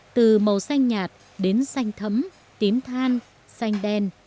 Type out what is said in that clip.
từ màu xanh nhạt đến xanh thấm tím than xanh đen